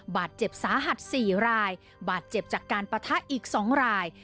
บาดเจ็บสาหัส๔รายบาดเจ็บจากการปะทะอีก๒ราย